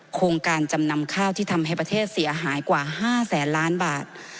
โครงการจำนำข้าวที่ทำให้ประเทศเสียหายกว่า๕แสนล้านบาท